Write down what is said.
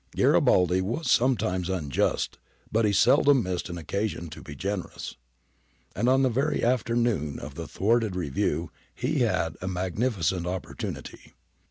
Garibaldi was sometimes unjust, but he seldom missed an occasion to be generous. And on the very afternoon of the thwarted review he had a magnificent opportunity.